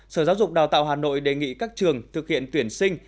sở giáo dục đào tạo hà nội đề nghị các trường thực hiện tuyển sinh